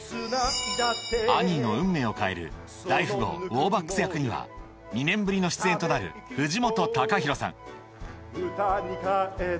アニーの運命を変える大富豪ウォーバックス役には２年ぶりの出演となる藤本隆宏さん